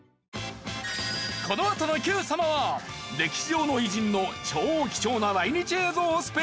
このあとの『Ｑ さま！！』は歴史上の偉人の超貴重な来日映像スペシャル